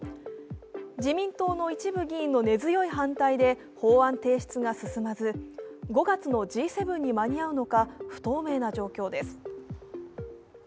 自民党の一部議員の根強い反対で法案提出が進まず５月のＧ７に間に合うのか不透明な状況です。